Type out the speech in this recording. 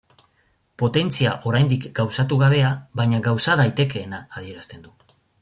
Potentzia oraindik gauzatu gabea baina gauza daitekeena adierazten du.